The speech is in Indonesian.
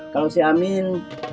kalau si amin